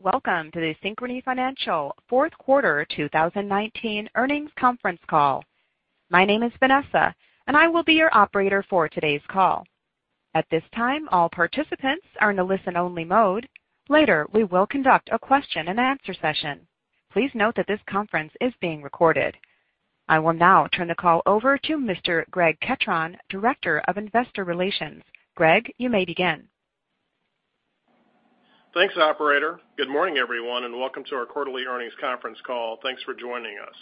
Welcome to the Synchrony Financial fourth quarter 2019 earnings conference call. My name is Vanessa and I will be your operator for today's call. At this time, all participants are in a listen-only mode. Later, we will conduct a question and answer session. Please note that this conference is being recorded. I will now turn the call over to Mr. Greg Ketron, Director of Investor Relations. Greg, you may begin. Thanks, operator. Good morning, everyone, and welcome to our quarterly earnings conference call. Thanks for joining us.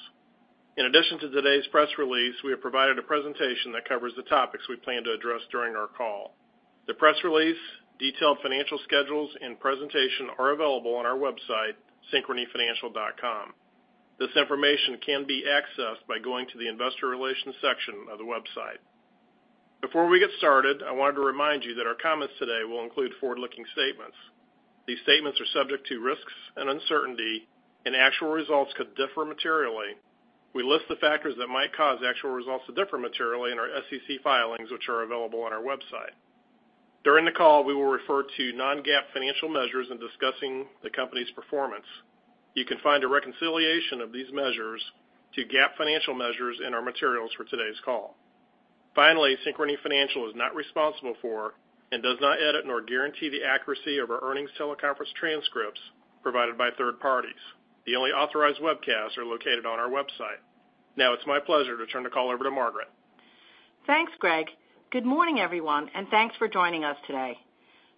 In addition to today's press release, we have provided a presentation that covers the topics we plan to address during our call. The press release, detailed financial schedules, and presentation are available on our website, synchronyfinancial.com. This information can be accessed by going to the investor relations section of the website. Before we get started, I wanted to remind you that our comments today will include forward-looking statements. These statements are subject to risks and uncertainty, and actual results could differ materially. We list the factors that might cause actual results to differ materially in our SEC filings, which are available on our website. During the call, we will refer to non-GAAP financial measures in discussing the company's performance. You can find a reconciliation of these measures to GAAP financial measures in our materials for today's call. Finally, Synchrony Financial is not responsible for and does not edit or guarantee the accuracy of our earnings teleconference transcripts provided by third parties. The only authorized webcasts are located on our website. Now it's my pleasure to turn the call over to Margaret. Thanks, Greg. Good morning, everyone, and thanks for joining us today.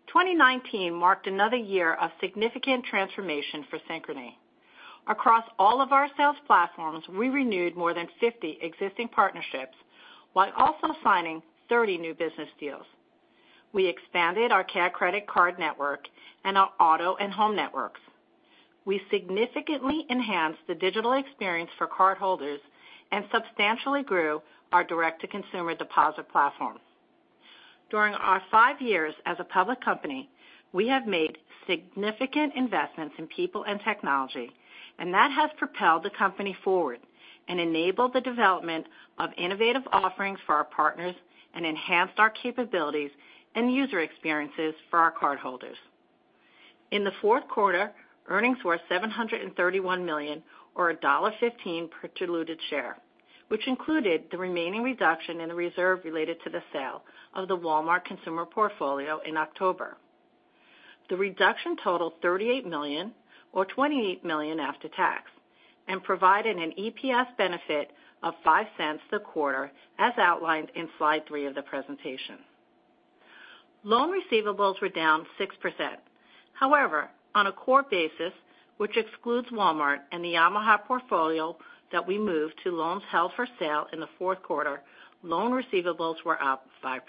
2019 marked another year of significant transformation for Synchrony. Across all of our sales platforms, we renewed more than 50 existing partnerships while also signing 30 new business deals. We expanded our CareCredit card network and our auto and home networks. We significantly enhanced the digital experience for cardholders and substantially grew our direct-to-consumer deposit platforms. During our five years as a public company, we have made significant investments in people and technology, and that has propelled the company forward and enabled the development of innovative offerings for our partners and enhanced our capabilities and user experiences for our cardholders. In the fourth quarter, earnings were $731 million or $1.15 per diluted share, which included the remaining reduction in the reserve related to the sale of the Walmart consumer portfolio in October. The reduction totaled $38 million or $28 million after tax and provided an EPS benefit of $0.05 a quarter, as outlined in slide three of the presentation. Loan receivables were down 6%. On a core basis, which excludes Walmart and the Yamaha portfolio that we moved to loans held for sale in the fourth quarter, loan receivables were up 5%.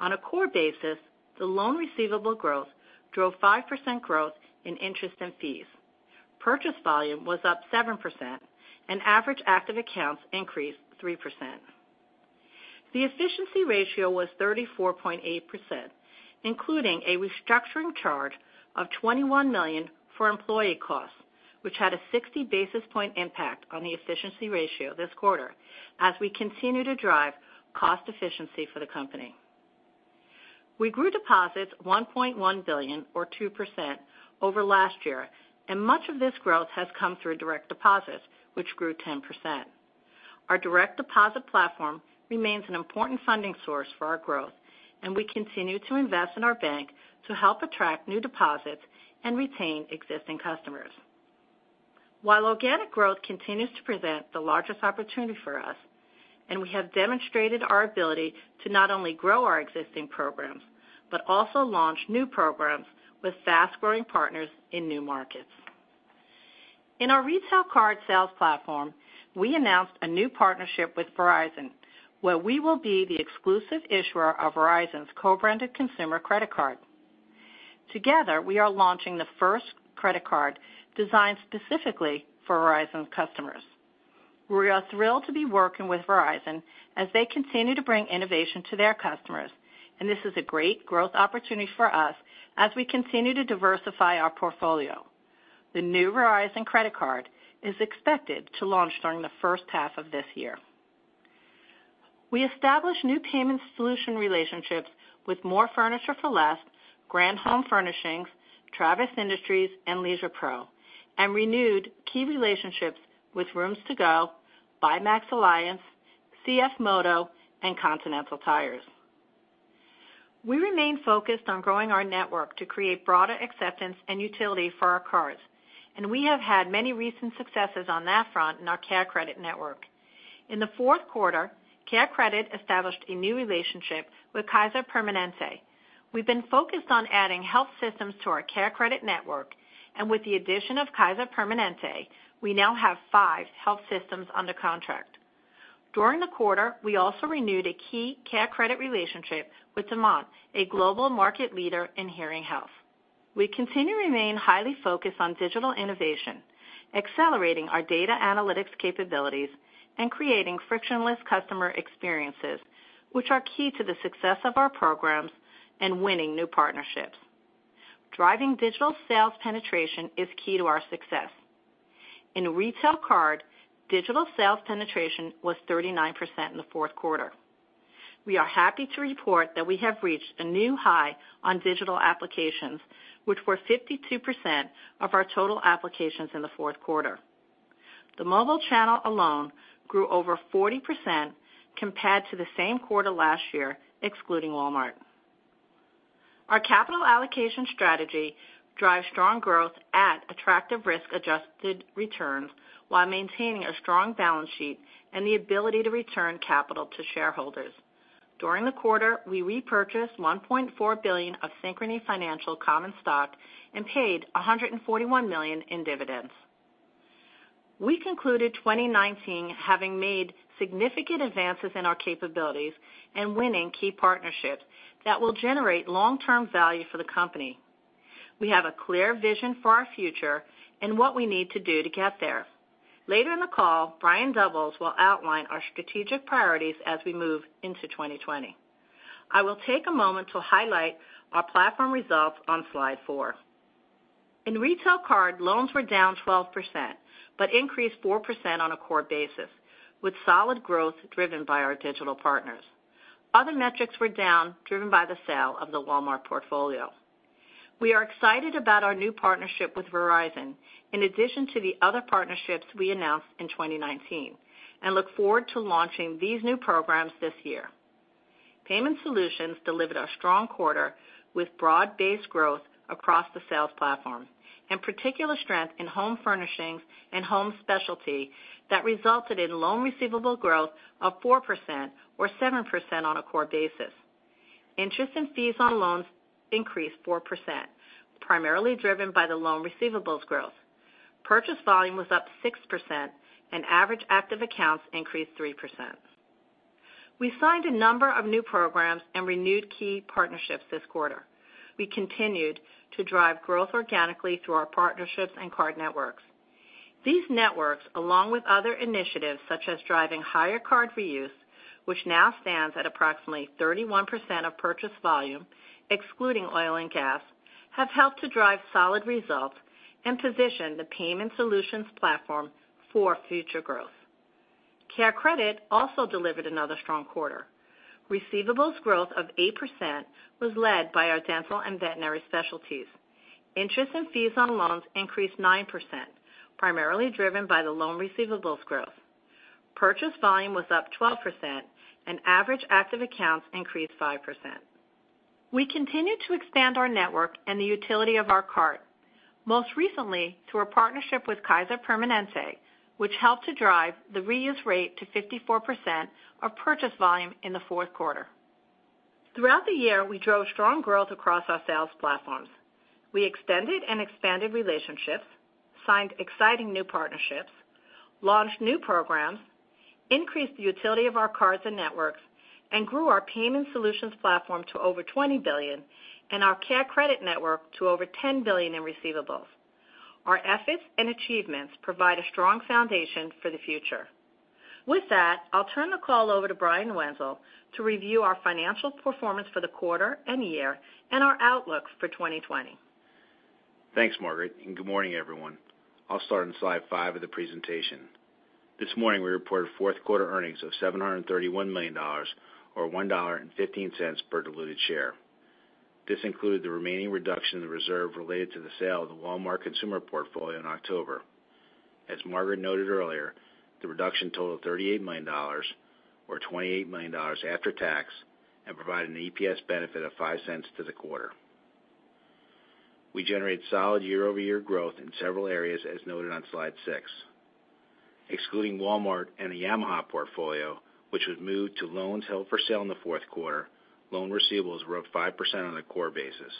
On a core basis, the loan receivable growth drove 5% growth in interest and fees. Purchase volume was up 7% and average active accounts increased 3%. The efficiency ratio was 34.8%, including a restructuring charge of $21 million for employee costs, which had a 60-basis point impact on the efficiency ratio this quarter as we continue to drive cost efficiency for the company. We grew deposits $1.1 billion or 2% over last year, much of this growth has come through direct deposits, which grew 10%. Our direct deposit platform remains an important funding source for our growth, and we continue to invest in our bank to help attract new deposits and retain existing customers. While organic growth continues to present the largest opportunity for us, and we have demonstrated our ability to not only grow our existing programs, but also launch new programs with fast-growing partners in new markets. In our Retail Card sales platform, we announced a new partnership with Verizon, where we will be the exclusive issuer of Verizon's co-branded consumer credit card. Together, we are launching the first credit card designed specifically for Verizon customers. We are thrilled to be working with Verizon as they continue to bring innovation to their customers, and this is a great growth opportunity for us as we continue to diversify our portfolio. The new Verizon credit card is expected to launch during the first half of this year. We established new Payment Solutions relationships with Mor Furniture for Less, Grand Home Furnishings, Travis Industries, and Leisure Pro, and renewed key relationships with Rooms To Go, BuyMax Alliance, CFMOTO, and Continental Tires. We remain focused on growing our network to create broader acceptance and utility for our cards, and we have had many recent successes on that front in our CareCredit network. In the fourth quarter, CareCredit established a new relationship with Kaiser Permanente. We've been focused on adding health systems to our CareCredit network, and with the addition of Kaiser Permanente, we now have five health systems under contract. During the quarter, we also renewed a key CareCredit relationship with Demant, a global market leader in hearing health. We continue to remain highly focused on digital innovation, accelerating our data analytics capabilities, and creating frictionless customer experiences, which are key to the success of our programs and winning new partnerships. Driving digital sales penetration is key to our success. In Retail Card, digital sales penetration was 39% in the fourth quarter. We are happy to report that we have reached a new high on digital applications, which were 52% of our total applications in the fourth quarter. The mobile channel alone grew over 40% compared to the same quarter last year, excluding Walmart. Our capital allocation strategy drives strong growth at attractive risk-adjusted returns while maintaining a strong balance sheet and the ability to return capital to shareholders. During the quarter, we repurchased $1.4 billion of Synchrony Financial common stock and paid $141 million in dividends. We concluded 2019 having made significant advances in our capabilities and winning key partnerships that will generate long-term value for the company. We have a clear vision for our future and what we need to do to get there. Later in the call, Brian Doubles will outline our strategic priorities as we move into 2020. I will take a moment to highlight our platform results on slide four. In Retail Card, loans were down 12%, but increased 4% on a core basis, with solid growth driven by our digital partners. Other metrics were down, driven by the sale of the Walmart portfolio. We are excited about our new partnership with Verizon, in addition to the other partnerships we announced in 2019, and look forward to launching these new programs this year. Payment Solutions delivered a strong quarter, with broad-based growth across the sales platform, and particular strength in home furnishings and home specialty that resulted in loan receivable growth of 4%, or 7% on a core basis. Interest and fees on loans increased 4%, primarily driven by the loan receivables growth. Purchase volume was up 6%, and average active accounts increased 3%. We signed a number of new programs and renewed key partnerships this quarter. We continued to drive growth organically through our partnerships and card networks. These networks, along with other initiatives such as driving higher card reuse, which now stands at approximately 31% of purchase volume, excluding oil and gas, have helped to drive solid results and position the Payment Solutions platform for future growth. CareCredit also delivered another strong quarter. Receivables growth of 8% was led by our dental and veterinary specialties. Interest and fees on loans increased 9%, primarily driven by the loan receivables growth. Purchase volume was up 12%, and average active accounts increased 5%. We continue to expand our network and the utility of our card, most recently through our partnership with Kaiser Permanente, which helped to drive the reuse rate to 54% of purchase volume in the fourth quarter. Throughout the year, we drove strong growth across our sales platforms. We extended and expanded relationships, signed exciting new partnerships, launched new programs, increased the utility of our cards and networks, and grew our Payment Solutions platform to over $20 billion and our CareCredit network to over $10 billion in receivables. Our efforts and achievements provide a strong foundation for the future. With that, I'll turn the call over to Brian Wenzel to review our financial performance for the quarter and year and our outlook for 2020. Thanks, Margaret, and good morning, everyone. I'll start on slide five of the presentation. This morning, we reported fourth quarter earnings of $731 million, or $1.15 per diluted share. This included the remaining reduction in the reserve related to the sale of the Walmart consumer portfolio in October. As Margaret noted earlier, the reduction total of $38 million or $28 million after tax and provide an EPS benefit of $0.05 to the quarter. We generated solid year-over-year growth in several areas, as noted on slide six. Excluding Walmart and the Yamaha portfolio, which was moved to loans held for sale in the fourth quarter, loan receivables were up 5% on a core basis.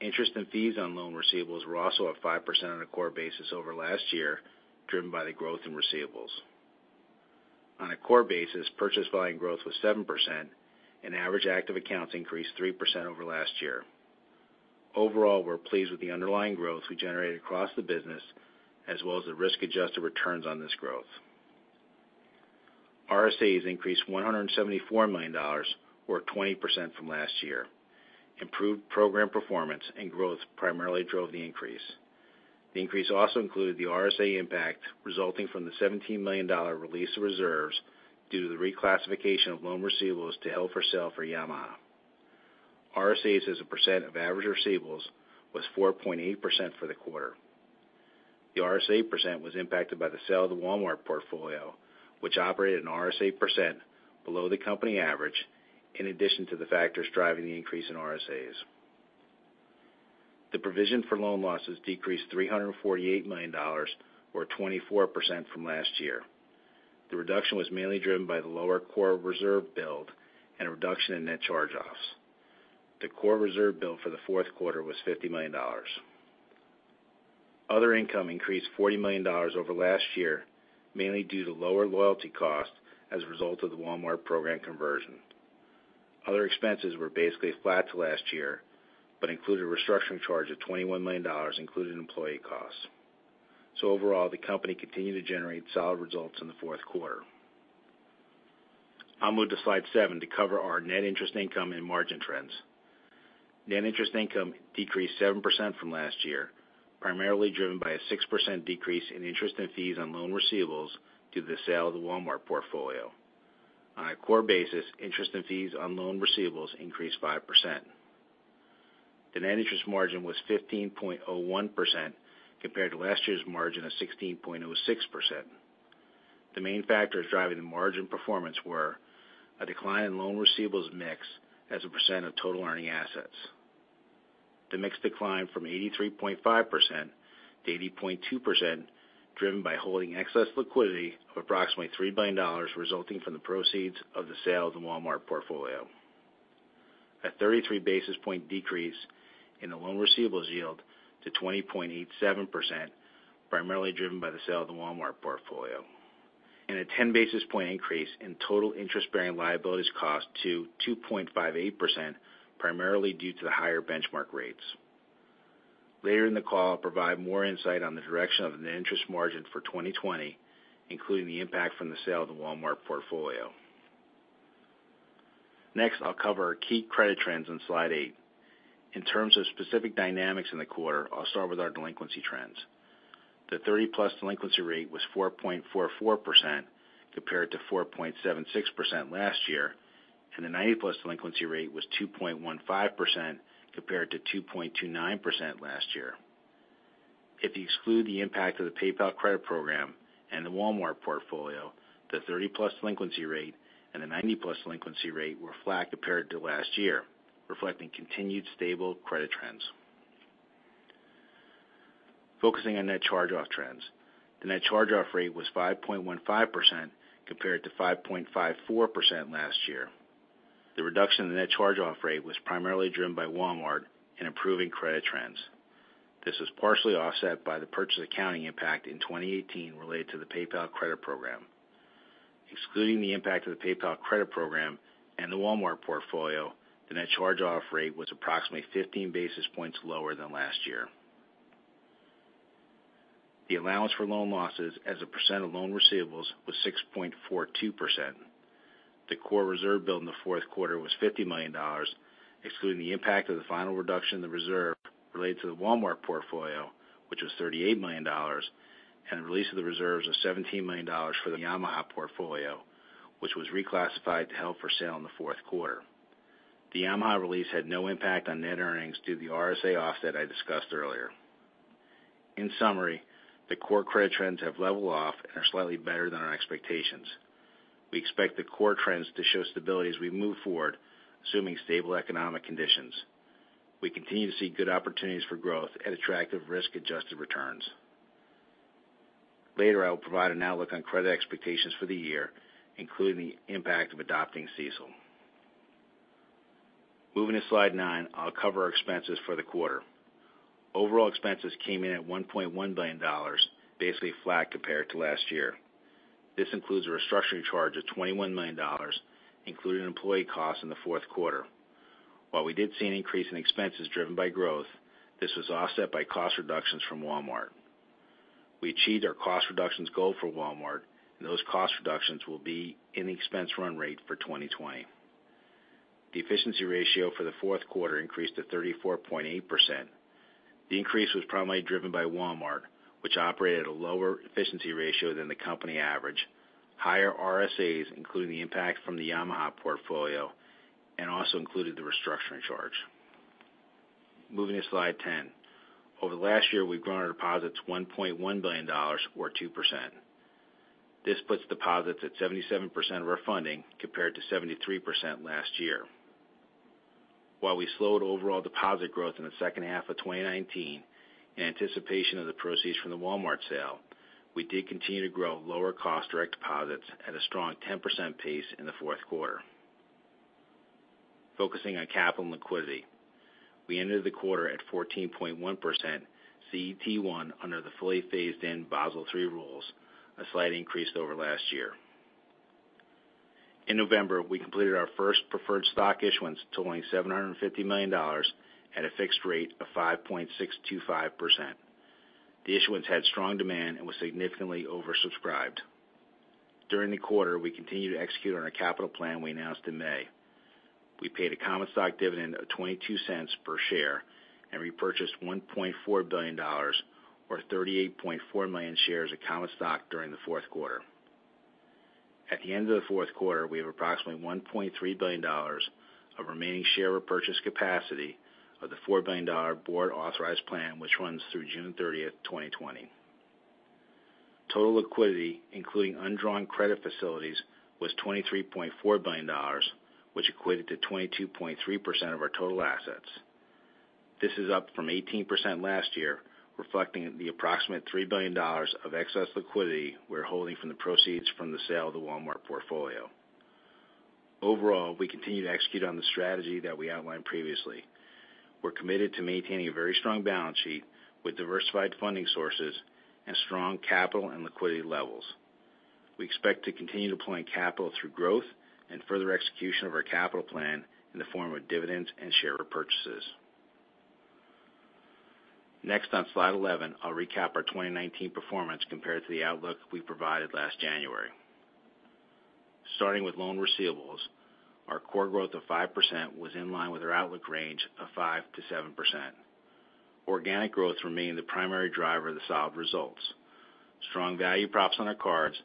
Interest and fees on loan receivables were also up 5% on a core basis over last year, driven by the growth in receivables. On a core basis, purchase volume growth was 7%, and average active accounts increased 3% over last year. Overall, we're pleased with the underlying growth we generated across the business, as well as the risk-adjusted returns on this growth. RSAs increased $174 million, or 20% from last year. Improved program performance and growth primarily drove the increase. The increase also included the RSA impact resulting from the $17 million release of reserves due to the reclassification of loan receivables to held for sale for Yamaha. RSAs as a percent of average receivables was 4.8% for the quarter. The RSA percent was impacted by the sale of the Walmart portfolio, which operated an RSA percent below the company average, in addition to the factors driving the increase in RSAs. The provision for loan losses decreased $348 million, or 24% from last year. The reduction was mainly driven by the lower core reserve build and a reduction in net charge-offs. The core reserve build for the fourth quarter was $50 million. Other income increased $40 million over last year, mainly due to lower loyalty costs as a result of the Walmart program conversion. Other expenses were basically flat to last year, but included a restructuring charge of $21 million, including employee costs. Overall, the company continued to generate solid results in the fourth quarter. I'll move to slide seven to cover our net interest income and margin trends. Net interest income decreased 7% from last year, primarily driven by a 6% decrease in interest and fees on loan receivables due to the sale of the Walmart portfolio. On a core basis, interest and fees on loan receivables increased 5%. The net interest margin was 15.01% compared to last year's margin of 16.06%. The main factors driving the margin performance were a decline in loan receivables mix as a percent of total earning assets. The mix declined from 83.5%-80.2%, driven by holding excess liquidity of approximately $3 billion resulting from the proceeds of the sale of the Walmart portfolio. A 33 basis point decrease in the loan receivables yield to 20.87%, primarily driven by the sale of the Walmart portfolio, and a 10 basis point increase in total interest-bearing liabilities cost to 2.58%, primarily due to the higher benchmark rates. Later in the call, I'll provide more insight on the direction of net interest margin for 2020, including the impact from the sale of the Walmart portfolio. Next, I'll cover our key credit trends on slide eight. In terms of specific dynamics in the quarter, I'll start with our delinquency trends. The 30+ delinquency rate was 4.44% compared to 4.76% last year, and the 90+ delinquency rate was 2.15% compared to 2.29% last year. If you exclude the impact of the PayPal credit program and the Walmart portfolio, the 30+ delinquency rate and the 90+ delinquency rate were flat compared to last year, reflecting continued stable credit trends. Focusing on net charge-off trends, the net charge-off rate was 5.15% compared to 5.54% last year. The reduction in the net charge-off rate was primarily driven by Walmart and improving credit trends. This was partially offset by the purchase accounting impact in 2018 related to the PayPal credit program. Excluding the impact of the PayPal credit program and the Walmart portfolio, the net charge-off rate was approximately 15 basis points lower than last year. The allowance for loan losses as a percent of loan receivables was 6.42%. The core reserve build in the fourth quarter was $50 million, excluding the impact of the final reduction in the reserve related to the Walmart portfolio, which was $38 million, and the release of the reserves of $17 million for the Yamaha portfolio, which was reclassified to held for sale in the fourth quarter. The Yamaha release had no impact on net earnings due to the RSA offset I discussed earlier. In summary, the core credit trends have leveled off and are slightly better than our expectations. We expect the core trends to show stability as we move forward, assuming stable economic conditions. We continue to see good opportunities for growth at attractive risk-adjusted returns. Later, I will provide an outlook on credit expectations for the year, including the impact of adopting CECL. Moving to slide nine, I'll cover our expenses for the quarter. Overall expenses came in at $1.1 billion, basically flat compared to last year. This includes a restructuring charge of $21 million, including employee costs in the fourth quarter. While we did see an increase in expenses driven by growth, this was offset by cost reductions from Walmart. We achieved our cost reductions goal for Walmart, and those cost reductions will be in the expense run rate for 2020. The efficiency ratio for the fourth quarter increased to 34.8%. The increase was primarily driven by Walmart, which operated at a lower efficiency ratio than the company average. Higher RSAs, including the impact from the Yamaha portfolio, and also included the restructuring charge. Moving to slide 10. Over the last year, we've grown our deposits $1.1 billion or 2%. This puts deposits at 77% of our funding, compared to 73% last year. While we slowed overall deposit growth in the second half of 2019 in anticipation of the proceeds from the Walmart sale, we did continue to grow lower-cost direct deposits at a strong 10% pace in the fourth quarter. Focusing on capital and liquidity, we ended the quarter at 14.1% CET1 under the fully phased-in Basel III rules, a slight increase over last year. In November, we completed our first preferred stock issuance totaling $750 million at a fixed rate of 5.625%. The issuance had strong demand and was significantly oversubscribed. During the quarter, we continued to execute on our capital plan we announced in May. We paid a common stock dividend of $0.22 per share and repurchased $1.4 billion or 38.4 million shares of common stock during the fourth quarter. At the end of the fourth quarter, we have approximately $1.3 billion of remaining share repurchase capacity of the $4 billion board-authorized plan, which runs through June 30th, 2020. Total liquidity, including undrawn credit facilities, was $23.4 billion, which equated to 22.3% of our total assets. This is up from 18% last year, reflecting the approximate $3 billion of excess liquidity we're holding from the proceeds from the sale of the Walmart portfolio. Overall, we continue to execute on the strategy that we outlined previously. We're committed to maintaining a very strong balance sheet with diversified funding sources and strong capital and liquidity levels. We expect to continue deploying capital through growth and further execution of our capital plan in the form of dividends and share repurchases. Next on slide 11, I'll recap our 2019 performance compared to the outlook we provided last January. Starting with loan receivables, our core growth of 5% was in line with our outlook range of 5%-7%. Organic growth remained the primary driver of the solid results. Strong value props on our cards,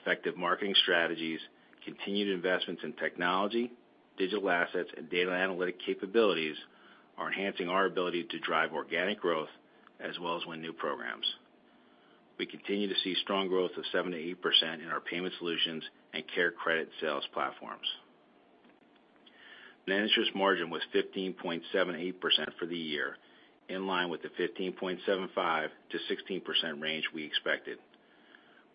effective marketing strategies, continued investments in technology, digital assets, and data analytic capabilities are enhancing our ability to drive organic growth as well as win new programs. We continue to see strong growth of 7%-8% in our Payment Solutions and CareCredit sales platforms. Net interest margin was 15.78% for the year, in line with the 15.75%-16% range we expected.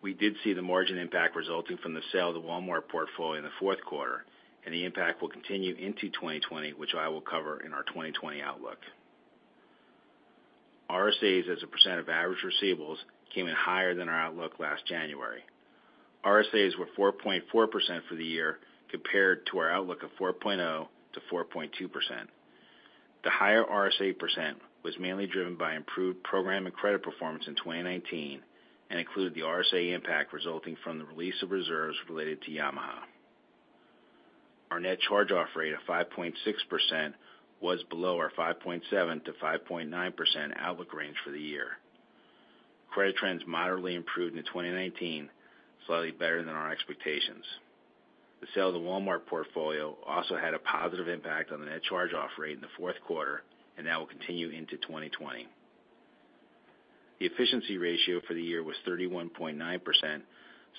We did see the margin impact resulting from the sale of the Walmart portfolio in the fourth quarter, and the impact will continue into 2020, which I will cover in our 2020 outlook. RSAs as a percent of average receivables came in higher than our outlook last January. RSAs were 4.4% for the year compared to our outlook of 4.0%-4.2%. The higher RSA percent was mainly driven by improved program and credit performance in 2019 and included the RSA impact resulting from the release of reserves related to Yamaha. Our net charge-off rate of 5.6% was below our 5.7%-5.9% outlook range for the year. Credit trends moderately improved into 2019, slightly better than our expectations. The sale of the Walmart portfolio also had a positive impact on the net charge-off rate in the fourth quarter, and that will continue into 2020. The efficiency ratio for the year was 31.9%,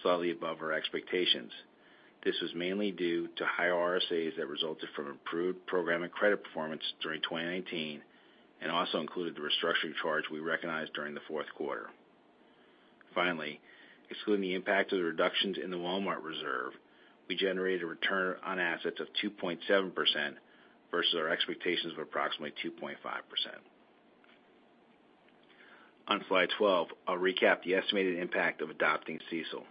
slightly above our expectations. This was mainly due to higher RSAs that resulted from improved program and credit performance during 2019 and also included the restructuring charge we recognized during the fourth quarter. Finally, excluding the impact of the reductions in the Walmart reserve, we generated a return on assets of 2.7% versus our expectations of approximately 2.5%. On slide 12, I'll recap the estimated impact of adopting CECL.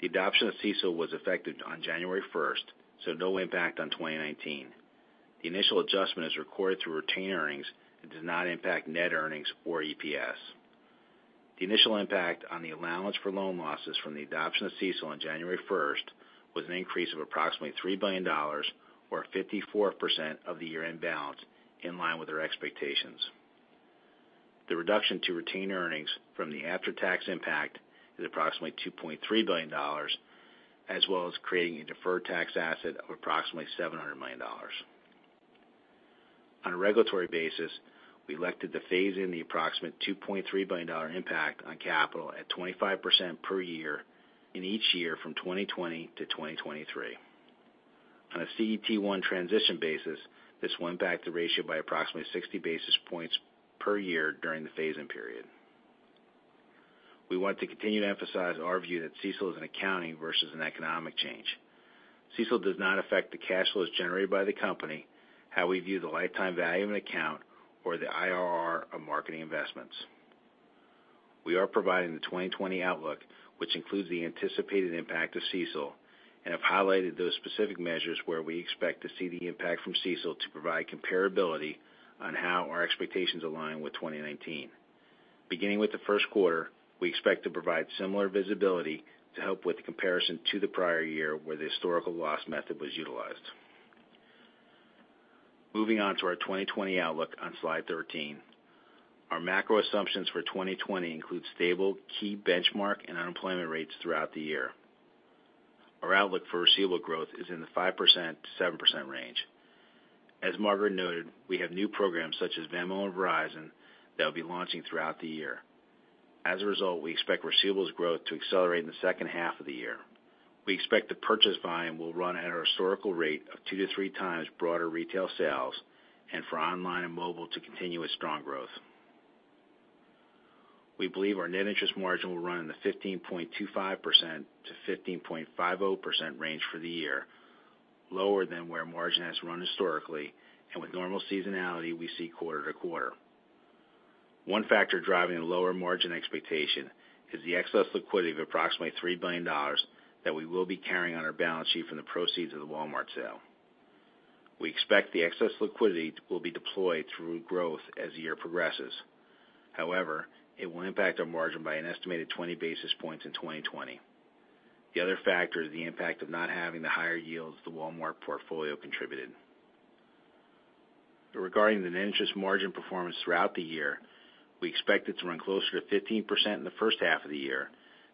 The adoption of CECL was effective on January 1st, no impact on 2019. The initial adjustment is recorded through retained earnings and does not impact net earnings or EPS. The initial impact on the allowance for loan losses from the adoption of CECL on January 1st was an increase of approximately $3 billion, or 54% of the year-end balance, in line with our expectations. The reduction to retained earnings from the after-tax impact is approximately $2.3 billion, as well as creating a deferred tax asset of approximately $700 million. On a regulatory basis, we elected to phase in the approximate $2.3 billion impact on capital at 25% per year in each year from 2020-2023. On a CET1 transition basis, this will impact the ratio by approximately 60 basis points per year during the phase-in period. We want to continue to emphasize our view that CECL is an accounting versus an economic change. CECL does not affect the cash flows generated by the company, how we view the lifetime value of an account, or the IRR of marketing investments. We are providing the 2020 outlook, which includes the anticipated impact of CECL and have highlighted those specific measures where we expect to see the impact from CECL to provide comparability on how our expectations align with 2019. Beginning with the first quarter, we expect to provide similar visibility to help with the comparison to the prior year where the historical loss method was utilized. Moving on to our 2020 outlook on Slide 13. Our macro assumptions for 2020 include stable key benchmark and unemployment rates throughout the year. Our outlook for receivable growth is in the 5%-7% range. As Margaret noted, we have new programs such as Venmo and Verizon that will be launching throughout the year. As a result, we expect receivables growth to accelerate in the second half of the year. We expect the purchase volume will run at a historical rate of two to three times broader retail sales and for online and mobile to continue its strong growth. We believe our net interest margin will run in the 15.25%-15.50% range for the year, lower than where margin has run historically, and with normal seasonality, we see quarter to quarter. One factor driving the lower margin expectation is the excess liquidity of approximately $3 billion that we will be carrying on our balance sheet from the proceeds of the Walmart sale. We expect the excess liquidity will be deployed through growth as the year progresses. However, it will impact our margin by an estimated 20 basis points in 2020. The other factor is the impact of not having the higher yields the Walmart portfolio contributed. Regarding the net interest margin performance throughout the year, we expect it to run closer to 15% in the first half of the year,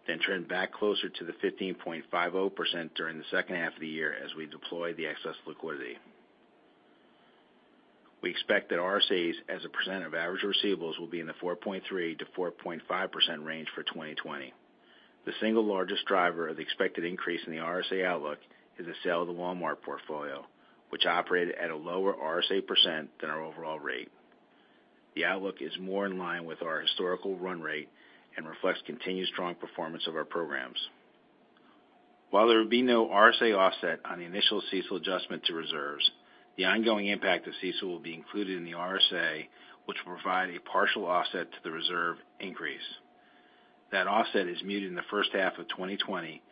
then trend back closer to the 15.50% during the second half of the year as we deploy the excess liquidity. We expect that RSAs as a percent of average receivables will be in the 4.3%-4.5% range for 2020. The single largest driver of the expected increase in the RSA outlook is the sale of the Walmart portfolio, which operated at a lower RSA percent than our overall rate. The outlook is more in line with our historical run rate and reflects continued strong performance of our programs. While there will be no RSA offset on the initial CECL adjustment to reserves, the ongoing impact of CECL will be included in the RSA, which will provide a partial offset to the reserve increase. That offset is muted in the first half of 2020,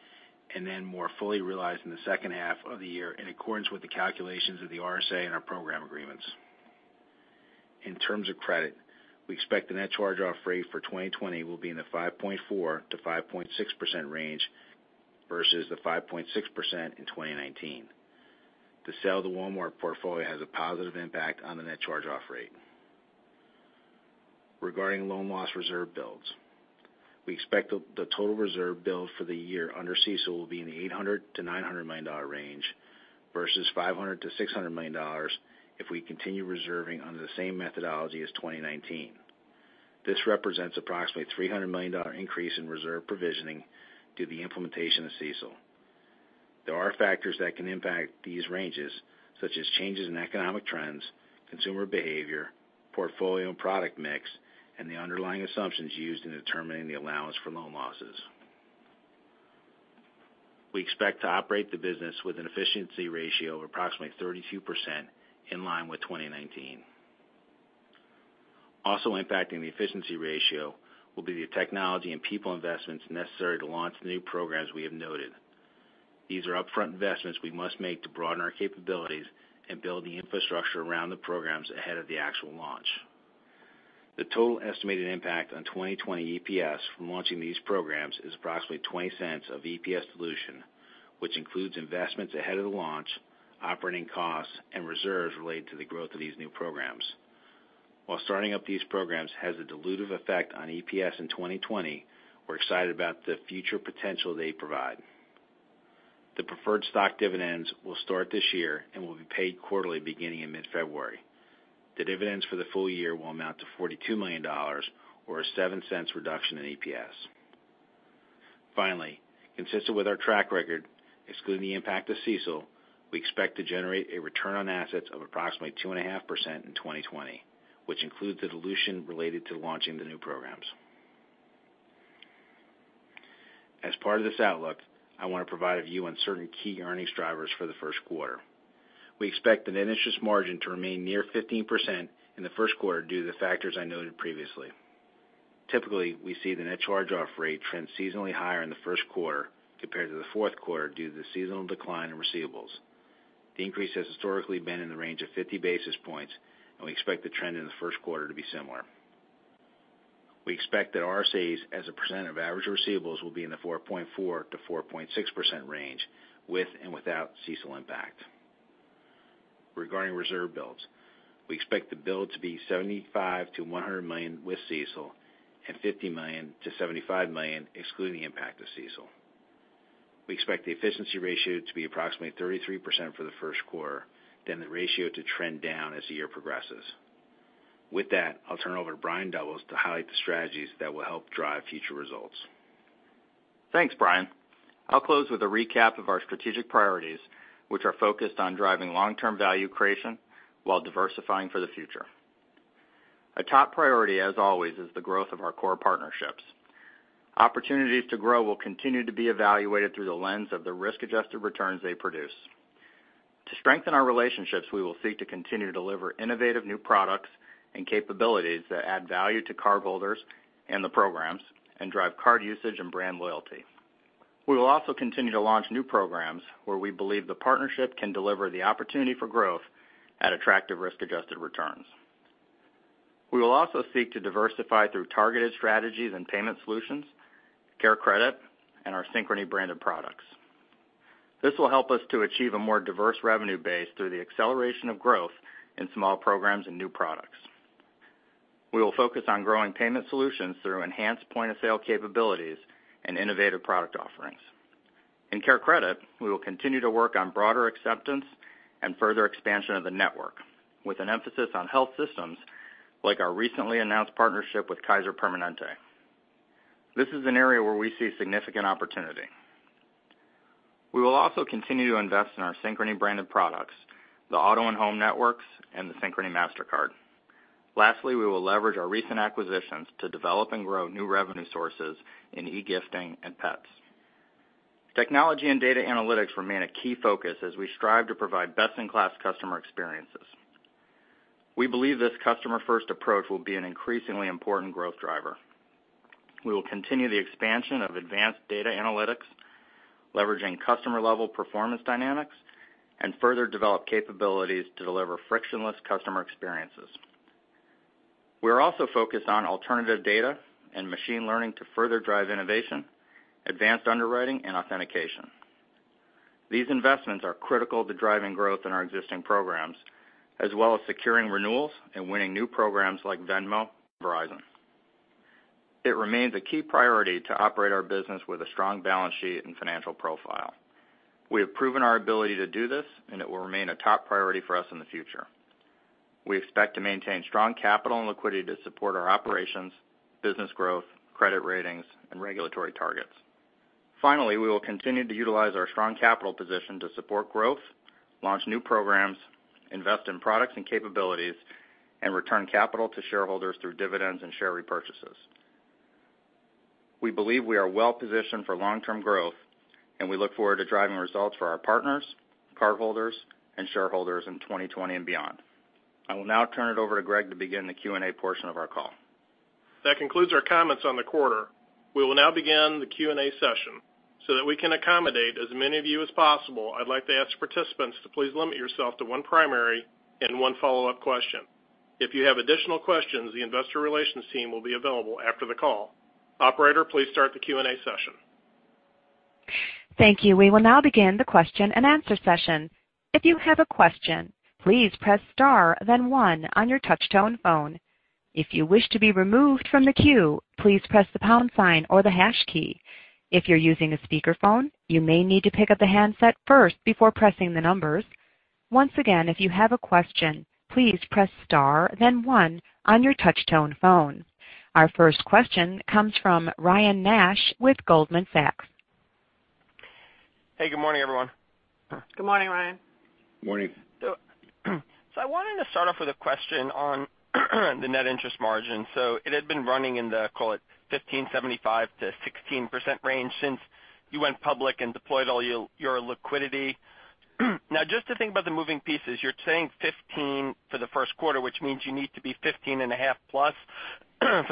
and then more fully realized in the second half of the year in accordance with the calculations of the RSA and our program agreements. In terms of credit, we expect the net charge-off rate for 2020 will be in the 5.4%-5.6% range versus the 5.6% in 2019. The sale of the Walmart portfolio has a positive impact on the net charge-off rate. Regarding loan loss reserve builds, we expect the total reserve build for the year under CECL will be in the $800 million-$900 million range versus $500 million-$600 million if we continue reserving under the same methodology as 2019. This represents approximately $300 million increase in reserve provisioning due to the implementation of CECL. There are factors that can impact these ranges, such as changes in economic trends, consumer behavior, portfolio and product mix, and the underlying assumptions used in determining the allowance for loan losses. We expect to operate the business with an efficiency ratio of approximately 32%, in line with 2019. Also impacting the efficiency ratio will be the technology and people investments necessary to launch the new programs we have noted. These are upfront investments we must make to broaden our capabilities and build the infrastructure around the programs ahead of the actual launch. The total estimated impact on 2020 EPS from launching these programs is approximately $0.20 of EPS dilution, which includes investments ahead of the launch, operating costs, and reserves related to the growth of these new programs. While starting up these programs has a dilutive effect on EPS in 2020, we're excited about the future potential they provide. The preferred stock dividends will start this year and will be paid quarterly beginning in mid-February. The dividends for the full year will amount to $42 million, or a $0.07 reduction in EPS. Finally, consistent with our track record, excluding the impact of CECL, we expect to generate a return on assets of approximately 2.5% in 2020, which includes the dilution related to launching the new programs. As part of this outlook, I want to provide a view on certain key earnings drivers for the first quarter. We expect the net interest margin to remain near 15% in the first quarter due to the factors I noted previously. Typically, we see the net charge-off rate trend seasonally higher in the first quarter compared to the fourth quarter due to the seasonal decline in receivables. The increase has historically been in the range of 50 basis points, and we expect the trend in the first quarter to be similar. We expect that RSAs as a percent of average receivables will be in the 4.4%-4.6% range with and without CECL impact. Regarding reserve builds, we expect the build to be $75 million-$100 million with CECL and $50 million-$75 million excluding the impact of CECL. We expect the efficiency ratio to be approximately 33% for the first quarter, then the ratio to trend down as the year progresses. With that, I'll turn over to Brian Doubles to highlight the strategies that will help drive future results. Thanks, Brian. I'll close with a recap of our strategic priorities, which are focused on driving long-term value creation while diversifying for the future. A top priority, as always, is the growth of our core partnerships. Opportunities to grow will continue to be evaluated through the lens of the risk-adjusted returns they produce. To strengthen our relationships, we will seek to continue to deliver innovative new products and capabilities that add value to cardholders and the programs and drive card usage and brand loyalty. We will also continue to launch new programs where we believe the partnership can deliver the opportunity for growth at attractive risk-adjusted returns. We will also seek to diversify through targeted strategies and Payment Solutions, CareCredit, and our Synchrony-branded products. This will help us to achieve a more diverse revenue base through the acceleration of growth in small programs and new products. We will focus on growing Payment Solutions through enhanced point-of-sale capabilities and innovative product offerings. In CareCredit, we will continue to work on broader acceptance and further expansion of the network with an emphasis on health systems, like our recently announced partnership with Kaiser Permanente. This is an area where we see significant opportunity. We will also continue to invest in our Synchrony-branded products, the auto and home networks, and the Synchrony Mastercard. Lastly, we will leverage our recent acquisitions to develop and grow new revenue sources in e-gifting and pets. Technology and data analytics remain a key focus as we strive to provide best-in-class customer experiences. We believe this customer-first approach will be an increasingly important growth driver. We will continue the expansion of advanced data analytics, leveraging customer-level performance dynamics, and further develop capabilities to deliver frictionless customer experiences. We are also focused on alternative data and machine learning to further drive innovation, advanced underwriting, and authentication. These investments are critical to driving growth in our existing programs, as well as securing renewals and winning new programs like Venmo and Verizon. It remains a key priority to operate our business with a strong balance sheet and financial profile. We have proven our ability to do this, and it will remain a top priority for us in the future. We expect to maintain strong capital and liquidity to support our operations, business growth, credit ratings, and regulatory targets. Finally, we will continue to utilize our strong capital position to support growth, launch new programs, invest in products and capabilities, and return capital to shareholders through dividends and share repurchases. We believe we are well-positioned for long-term growth We look forward to driving results for our partners, cardholders, and shareholders in 2020 and beyond. I will now turn it over to Greg to begin the Q&A portion of our call. That concludes our comments on the quarter. We will now begin the Q&A session. That we can accommodate as many of you as possible, I'd like to ask participants to please limit yourself to one primary and one follow-up question. If you have additional questions, the investor relations team will be available after the call. Operator, please start the Q&A session. Thank you. We will now begin the question-and-answer session. If you have a question, please press star then one on your touch-tone phone. If you wish to be removed from the queue, please press the pound sign or the hash key. If you're using a speakerphone, you may need to pick up the handset first before pressing the numbers. Once again, if you have a question, please press star then one on your touch-tone phone. Our first question comes from Ryan Nash with Goldman Sachs. Hey, good morning, everyone. Good morning, Ryan. Morning. I wanted to start off with a question on the net interest margin. It had been running in the, call it 15.75%-16% range since you went public and deployed all your liquidity. Now, just to think about the moving pieces, you're saying 15% for the first quarter, which means you need to be 15.5%+ for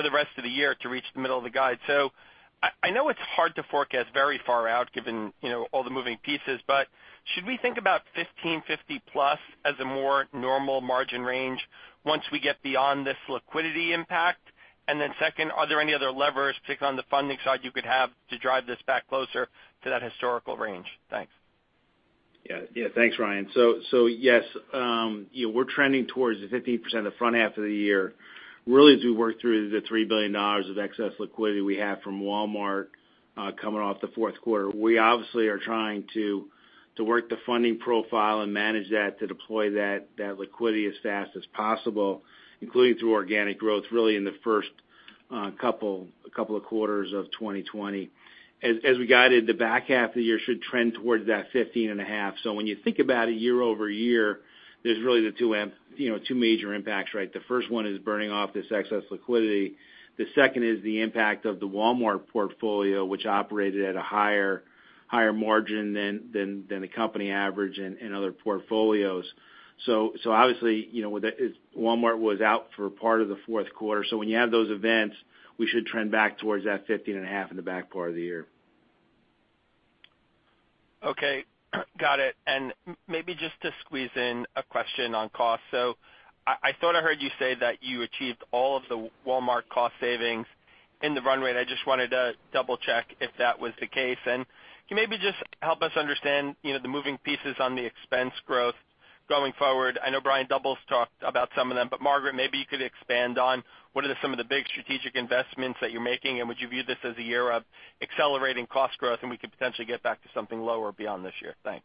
the rest of the year to reach the middle of the guide. I know it's hard to forecast very far out given all the moving pieces, but should we think about 15.5%+ as a more normal margin range once we get beyond this liquidity impact? Second, are there any other levers, particularly on the funding side you could have to drive this back closer to that historical range? Thanks. Yeah. Yeah. Thanks, Ryan. Yes, we're trending towards the 15% the front half of the year. Really, as we work through the $3 billion of excess liquidity we have from Walmart coming off the fourth quarter. We obviously are trying to work the funding profile and manage that to deploy that liquidity as fast as possible, including through organic growth really in the first couple of quarters of 2020. We guided the back half of the year should trend towards that 15.5%. When you think about it year-over-year, there's really the two major impacts, right? The first one is burning off this excess liquidity. The second is the impact of the Walmart portfolio, which operated at a higher margin than the company average and other portfolios. Obviously, Walmart was out for part of the fourth quarter. When you have those events, we should trend back towards that 15.5% in the back part of the year. Okay. Got it. Maybe just to squeeze in a question on cost. I thought I heard you say that you achieved all of the Walmart cost savings in the run rate. I just wanted to double-check if that was the case. Can you maybe just help us understand the moving pieces on the expense growth going forward? I know Brian Doubles talked about some of them, but Margaret, maybe you could expand on what are some of the big strategic investments that you're making, and would you view this as a year of accelerating cost growth, and we could potentially get back to something lower beyond this year? Thanks.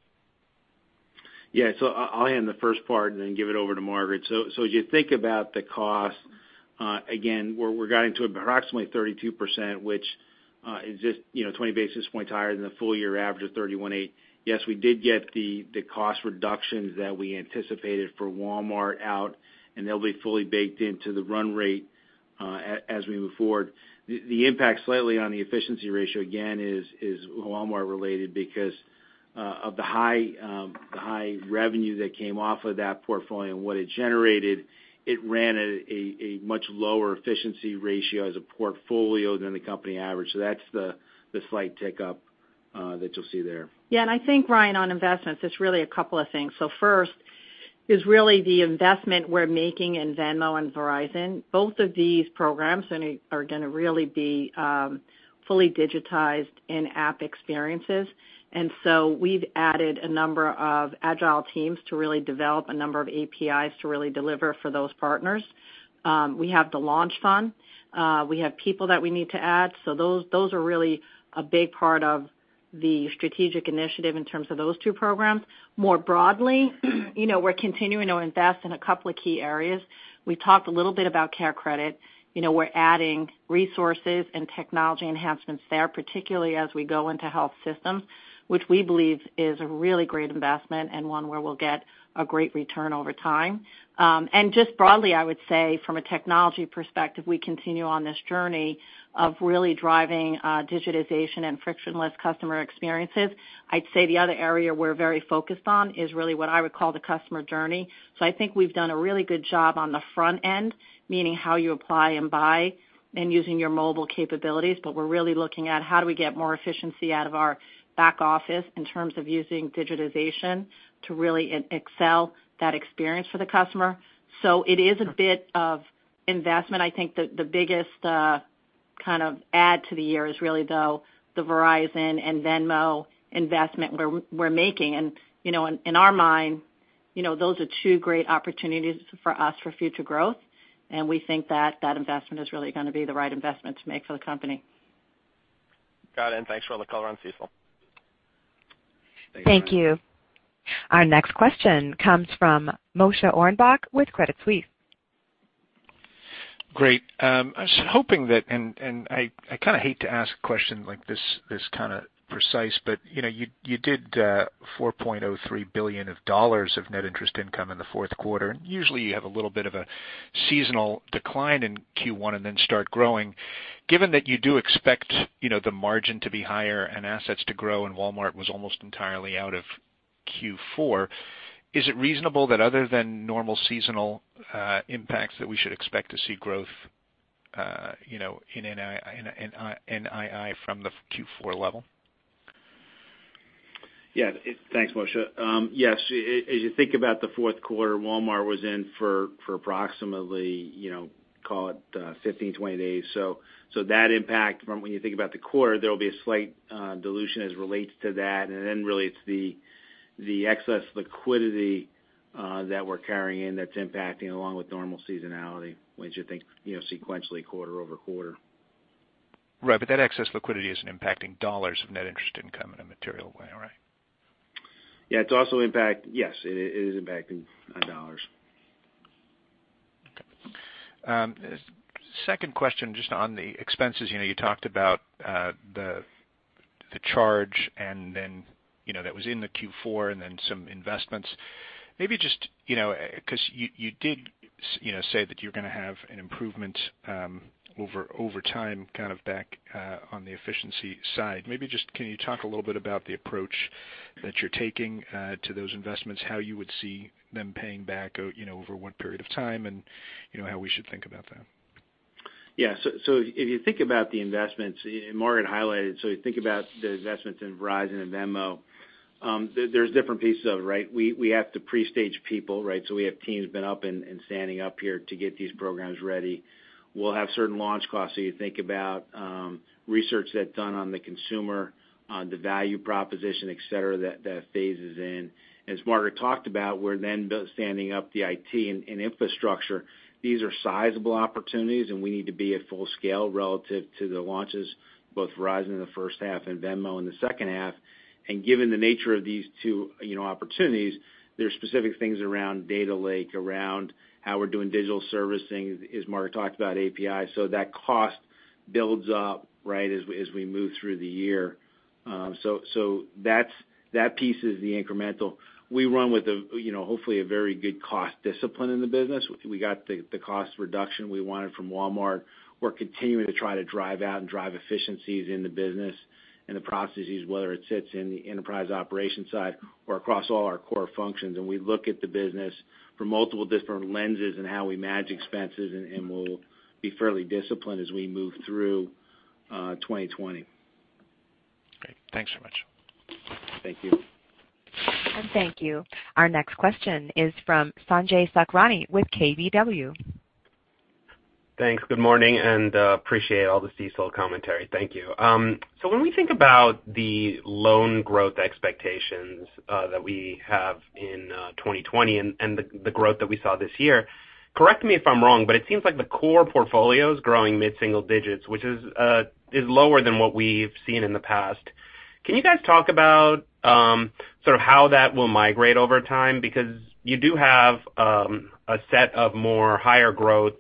I'll handle the first part and then give it over to Margaret. As you think about the cost, again, where we're guiding to approximately 32%, which is just 20 basis points higher than the full-year average of 31.8%. Yes, we did get the cost reductions that we anticipated for Walmart out. They'll be fully baked into the run rate as we move forward. The impact slightly on the efficiency ratio, again, is Walmart related because of the high revenue that came off of that portfolio and what it generated. It ran at a much lower efficiency ratio as a portfolio than the company average. That's the slight tick-up that you'll see there. Yeah, I think, Ryan, on investments, it's really a couple of things. First is really the investment we're making in Venmo and Verizon. Both of these programs are going to really be fully digitized in-app experiences. We've added a number of agile teams to really develop a number of APIs to really deliver for those partners. We have the launch fund. We have people that we need to add. Those are really a big part of the strategic initiative in terms of those two programs. More broadly, we're continuing to invest in a couple of key areas. We talked a little bit about CareCredit. We're adding resources and technology enhancements there, particularly as we go into health systems, which we believe is a really great investment and one where we'll get a great return over time. Just broadly, I would say from a technology perspective, we continue on this journey of really driving digitization and frictionless customer experiences. I'd say the other area we're very focused on is really what I would call the customer journey. I think we've done a really good job on the front end, meaning how you apply and buy and using your mobile capabilities. We're really looking at how do we get more efficiency out of our back office in terms of using digitization to really excel that experience for the customer. It is a bit of investment. I think the biggest kind of add to the year is really though the Verizon and Venmo investment we're making. In our mind, those are two great opportunities for us for future growth, and we think that that investment is really going to be the right investment to make for the company. Got it, and thanks for all the color on CECL. Thank you. Thank you. Our next question comes from Moshe Orenbuch with Credit Suisse. Great. I was hoping that, and I kind of hate to ask a question like this kind of precise, but you did $4.03 billion of net interest income in the fourth quarter. Usually, you have a little bit of a seasonal decline in Q1 and then start growing. Given that you do expect the margin to be higher and assets to grow, and Walmart was almost entirely out of Q4. Is it reasonable that other than normal seasonal impacts that we should expect to see growth in NII from the Q4 level? Yeah. Thanks, Moshe. Yes. As you think about the fourth quarter, Walmart was in for approximately, call it 15, 20 days. That impact from when you think about the quarter, there'll be a slight dilution as it relates to that. Really it's the excess liquidity that we're carrying in that's impacting along with normal seasonality, when you think sequentially quarter-over-quarter. Right. That excess liquidity isn't impacting dollars of net interest income in a material way, right? Yes, it is impacting dollars. Okay. Second question, just on the expenses. You talked about the charge and then that was in the Q4 and then some investments. You did say that you're going to have an improvement over time, kind of back on the efficiency side. Maybe just can you talk a little bit about the approach that you're taking to those investments, how you would see them paying back over what period of time, and how we should think about that? Yeah. If you think about the investments, and Margaret highlighted, so you think about the investments in Verizon and Venmo. There's different pieces of it, right? We have to pre-stage people, right? We have teams been up and standing up here to get these programs ready. We'll have certain launch costs. You think about research that's done on the consumer, on the value proposition, et cetera, that phases in. As Margaret talked about, we're then standing up the IT and infrastructure. These are sizable opportunities, and we need to be at full scale relative to the launches, both Verizon in the first half and Venmo in the second half. Given the nature of these two opportunities, there's specific things around data lake, around how we're doing digital servicing, as Margaret talked about API. That cost builds up as we move through the year. That piece is the incremental. We run with hopefully a very good cost discipline in the business. We got the cost reduction we wanted from Walmart. We're continuing to try to drive out and drive efficiencies in the business and the processes, whether it sits in the enterprise operations side or across all our core functions. We look at the business from multiple different lenses and how we manage expenses, and we'll be fairly disciplined as we move through 2020. Okay. Thanks so much. Thank you. Thank you. Our next question is from Sanjay Sakhrani with KBW. Thanks. Good morning, appreciate all the CECL commentary. Thank you. When we think about the loan growth expectations that we have in 2020 and the growth that we saw this year, correct me if I'm wrong, but it seems like the core portfolio is growing mid-single digits, which is lower than what we've seen in the past. Can you guys talk about sort of how that will migrate over time? You do have a set of more higher growth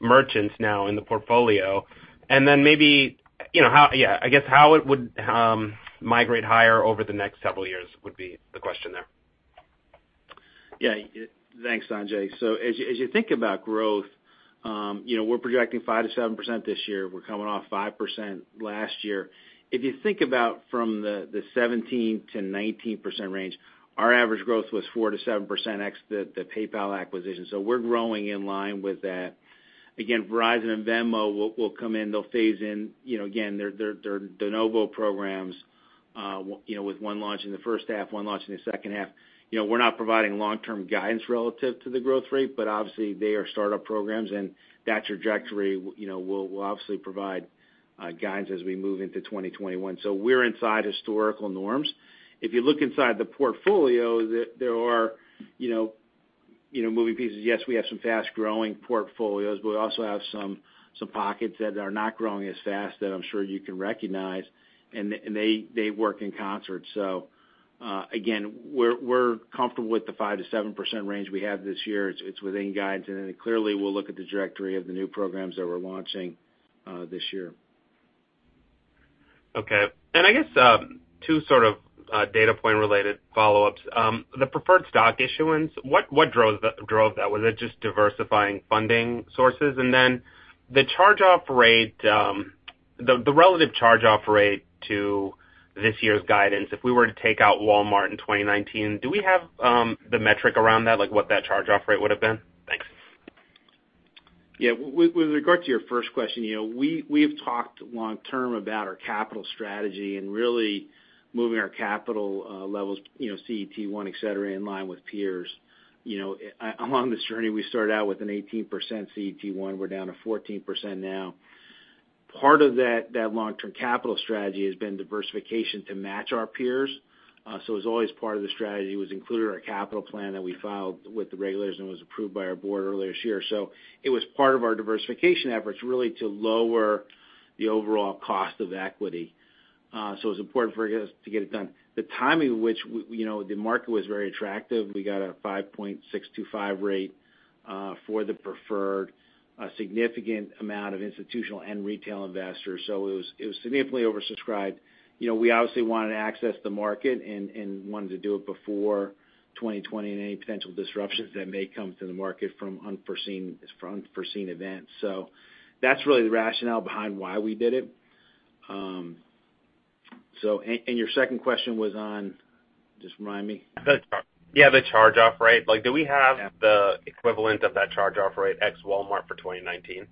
merchants now in the portfolio. Maybe, I guess how it would migrate higher over the next several years would be the question there. Thanks, Sanjay. As you think about growth, we're projecting 5%-7% this year. We're coming off 5% last year. If you think about from the 17%-19% range, our average growth was 4%-7% ex the PayPal acquisition. We're growing in line with that. Again, Verizon and Venmo will come in. They'll phase in. Again, they're de novo programs with one launch in the first half, one launch in the second half. We're not providing long-term guidance relative to the growth rate, but obviously they are startup programs and that trajectory will obviously provide guidance as we move into 2021. We're inside historical norms. If you look inside the portfolio, there are moving pieces. Yes, we have some fast-growing portfolios, but we also have some pockets that are not growing as fast that I'm sure you can recognize, and they work in concert. Again, we're comfortable with the 5%-7% range we have this year. It's within guidance. Clearly, we'll look at the directory of the new programs that we're launching this year. Okay. I guess two sort of data point related follow-ups. The preferred stock issuance, what drove that? Was it just diversifying funding sources? Then the relative charge-off rate to this year's guidance, if we were to take out Walmart in 2019, do we have the metric around that? Like what that charge-off rate would've been? Thanks. Yeah. With regard to your first question, we have talked long term about our capital strategy and really moving our capital levels CET1, et cetera, in line with peers. Along this journey, we started out with an 18% CET1. We're down to 14% now. Part of that long-term capital strategy has been diversification to match our peers. It was always part of the strategy, it was included our capital plan that we filed with the regulators and was approved by our board earlier this year. It was part of our diversification efforts really to lower the overall cost of equity. It was important for us to get it done. The timing, which the market was very attractive. We got a 5.625 rate for the preferred. A significant amount of institutional and retail investors. It was significantly oversubscribed. We obviously wanted to access the market and wanted to do it before 2020 and any potential disruptions that may come to the market from unforeseen events. That's really the rationale behind why we did it. Your second question was on, just remind me. The charge-off rate. Yeah the equivalent of that charge-off rate ex Walmart for 2019?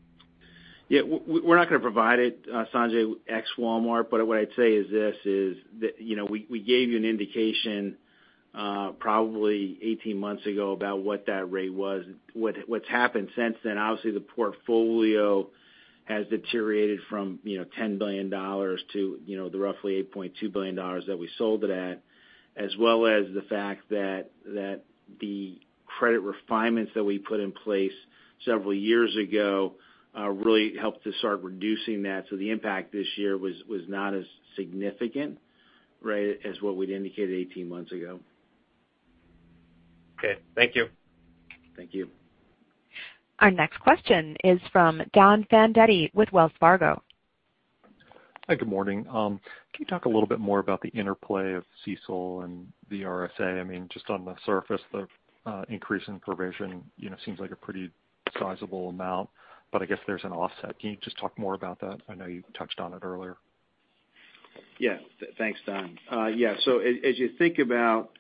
Yeah. We're not going to provide it, Sanjay, ex Walmart. What I'd say is this is that, we gave you an indication probably 18 months ago about what that rate was. What's happened since then, obviously the portfolio has deteriorated from $10 billion to the roughly $8.2 billion that we sold it at, as well as the fact that the credit refinements that we put in place several years ago really helped to start reducing that. The impact this year was not as significant, right? As what we'd indicated 18 months ago. Okay. Thank you. Thank you. Our next question is from Don Fandetti with Wells Fargo. Hi, good morning. Can you talk a little bit more about the interplay of CECL and the RSA? Just on the surface, the increase in provision seems like a pretty sizable amount, but I guess there's an offset. Can you just talk more about that? I know you touched on it earlier. Thanks, Don. As you think about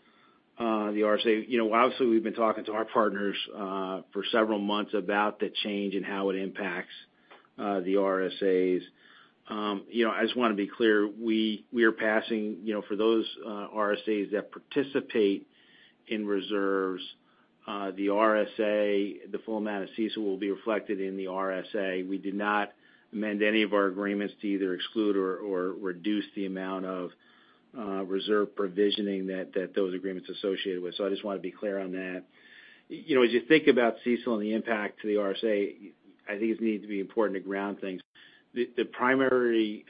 the RSA, obviously we've been talking to our partners for several months about the change and how it impacts the RSAs. I just want to be clear, we are passing for those RSAs that participate in reserves the RSA, the full amount of CECL will be reflected in the RSA. We did not amend any of our agreements to either exclude or reduce the amount of reserve provisioning that those agreements associated with. I just want to be clear on that. As you think about CECL and the impact to the RSA, I think it needs to be important to ground things. The primary